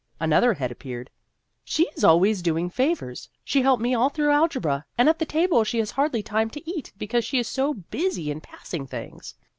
Another head appeared. " She is al ways doing favors. She helped me all through algebra, and at the table she has hardly time to eat, because she is so busy in passing things."